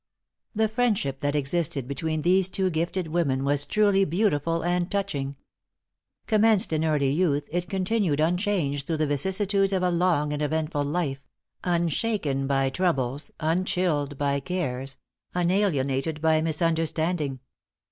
The friendship that existed between these two gifted women was truly beautiful and touching. Commenced in early youth, it continued unchanged through the vicissitudes of a long and eventful life unshaken by troubles, unchilled by cares, unalienated by misunderstanding.